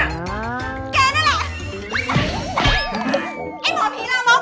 ไอหม่อผีละวง